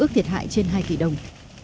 ước thiệt hại trên hai tỷ đồng